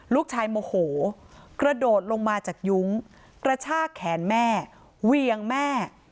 โมโหกระโดดลงมาจากยุ้งกระชากแขนแม่เวียงแม่